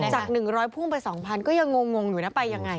จากนึงร้อยพุ่งไป๒๐๐๐ก็ยังงงอยู่นะไปอย่างไร